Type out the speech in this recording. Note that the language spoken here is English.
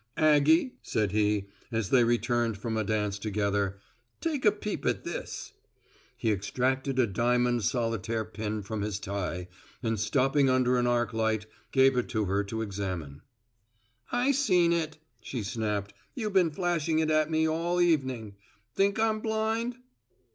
"Aggie," said he, as they returned from a dance together, "take a peep at this." He extracted a diamond solitaire pin from his tie and stopping under an arc light gave it to her to examine. "I seen it," she snapped. "You been flashing it at me all evening. Think I'm blind?"